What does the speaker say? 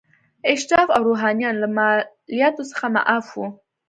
اشراف او روحانیون له مالیاتو څخه معاف وو.